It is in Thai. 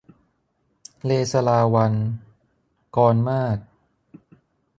เลศลาวัณย์ - กรมาศ